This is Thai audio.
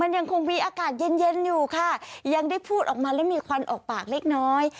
ยังคงมีอากาศเย็นเย็นอยู่ค่ะยังได้พูดออกมาแล้วมีควันออกปากเล็กน้อย